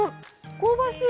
香ばしい。